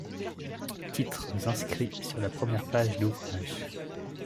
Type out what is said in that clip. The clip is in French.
Titres inscrits sur la première page d'ouvrages.